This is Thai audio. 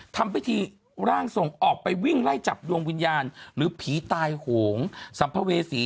ทำพิธีร่างทรงออกไปวิ่งไล่จับดวงวิญญาณหรือผีตายโหงสัมภเวษี